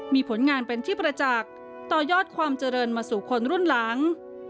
มีผลงานเป็นที่ประจักษ์ต่อยอดความเจริญมาสู่คนรุ่นหลัง